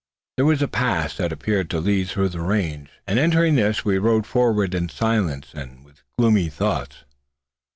There was a pass that appeared to lead through the range; and entering this, we rode forward in silence and with gloomy thoughts.